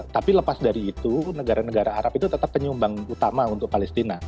tapi lepas dari itu negara negara arab itu tetap penyumbang utama untuk palestina